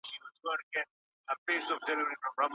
څنګه بې وقفې کار د انسان نیمګړتیاوي پټوي؟